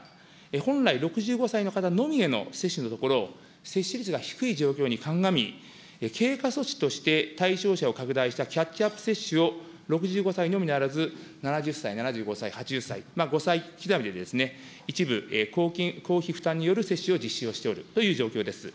本来、６５歳の方のみへの接種のところ、接種率が低い状況に鑑み、経過措置として対象者を拡大したキャッチアップ接種を、６５歳のみならず、７０歳、７５歳、８０歳、５歳刻みで、一部、公費負担による接種を実施をしておるという状況です。